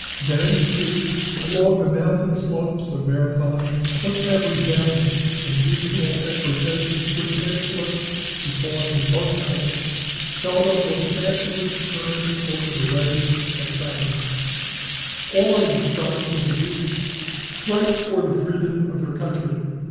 Then, too, along the mountain slopes of Marathon must have resounded the mutual exhortation which Æschylus, who fought in both battles, tells us was afterward heard over the waves of Salamis: "On, sons of the Greeks! Strike for the freedom of your country!